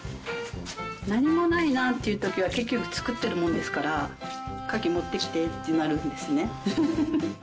何もないなっていう時は結局作ってるもんですから「カキ持ってきて」ってなるんですね。